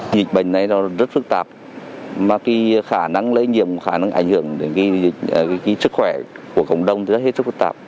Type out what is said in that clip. dịch bệnh này rất phức tạp khả năng lợi nhiệm khả năng ảnh hưởng đến sức khỏe của cộng đồng rất phức tạp